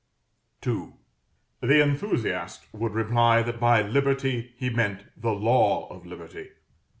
II. The enthusiast would reply that by Liberty he meant the Law of Liberty.